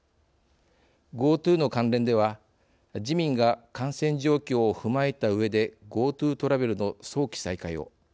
ＧｏＴｏの関連では自民が感染状況を踏まえたうえでＧｏＴｏトラベルの早期再開を。